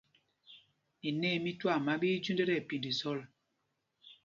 Inâ í mí twaama ɓí í jüind tí ɛpind zɔl.